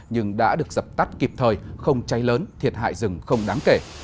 nhưng đã được dập tắt kịp thời không cháy lớn thiệt hại rừng không đáng kể